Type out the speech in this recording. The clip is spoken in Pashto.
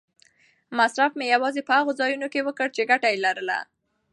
مصرف مې یوازې په هغو ځایونو کې وکړ چې ګټه یې لرله.